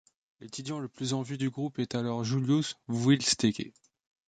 L'étudiant le plus en vue du groupe est alors Julius Vuylsteke.